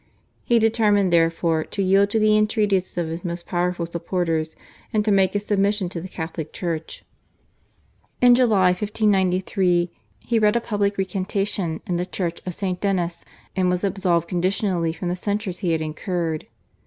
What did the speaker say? He determined, therefore, to yield to the entreaties of his most powerful supporters and to make his submission to the Catholic Church. In July 1593 he read a public recantation in the Church of St. Denis, and was absolved conditionally from the censures he had incurred.